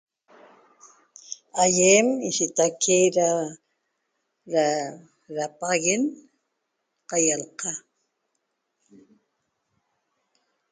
Aiem nshitaique ra rapaxaguen ca ialqa